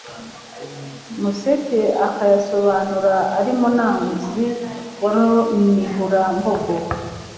museke akayasobanura ali Munanguzi wa Runihurambogo.